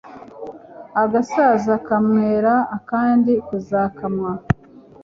agasaza kamwera akandi kazakamwa